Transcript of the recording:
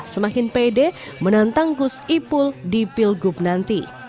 semakin pede menantang gus ibu di banyuwangi